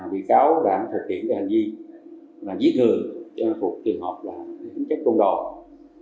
bị cáo đã thực hiện hành vi giết thừa trong cuộc trường hợp tính chất công đoàn